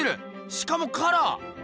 しかもカラー！